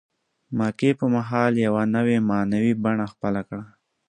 مکې په مهال یوه نوې معنوي بڼه خپله کړه.